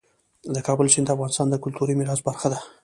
د کابل سیند د افغانستان د کلتوري میراث برخه ده.